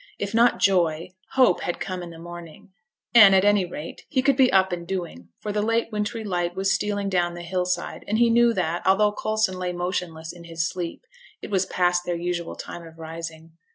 If not joy, hope had come in the morning; and, at any rate, he could be up and be doing, for the late wintry light was stealing down the hill side, and he knew that, although Coulson lay motionless in his sleep, it was past their usual time of rising.